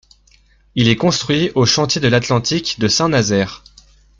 Il est construit aux Chantiers de l'Atlantique de Saint-Nazaire.